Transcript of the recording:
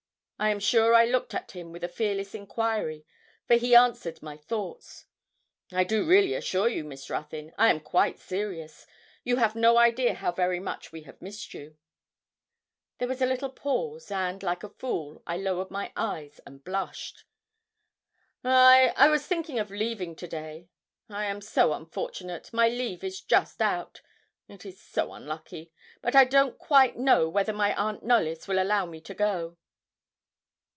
I am sure I looked at him with a fearless enquiry, for he answered my thoughts. 'I do really assure you, Miss Ruthyn, I am quite serious; you have no idea how very much we have missed you.' There was a little pause, and, like a fool, I lowered my eyes, and blushed. 'I I was thinking of leaving today; I am so unfortunate my leave is just out it is so unlucky; but I don't quite know whether my aunt Knollys will allow me to go.'